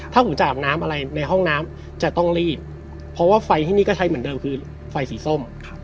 ถ้าหนูจะอาบน้ำอะไรในห้องน้ำจะต้องรีบเพราะว่าไฟที่นี่ก็ใช้เหมือนเดิมคือไฟสีส้ม